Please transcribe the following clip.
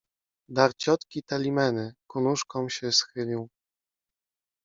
Dar ciotki Telimeny, ku nóżkom się schylił